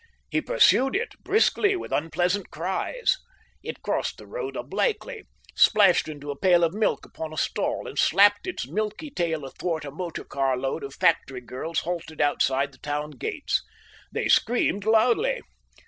He pursued it, briskly with unpleasant cries. It crossed the road obliquely, splashed into a pail of milk upon a stall, and slapped its milky tail athwart a motor car load of factory girls halted outside the town gates. They screamed loudly.